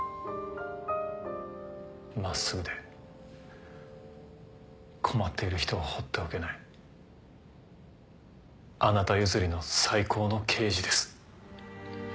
真っすぐで困っている人を放っておけないあなた譲りの最高の刑事です。